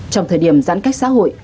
trong thời điểm giãn cách xã hội